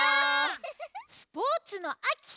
スポーツのあき！